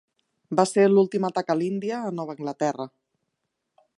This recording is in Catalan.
Va ser l'últim atac a l'Índia a Nova Anglaterra.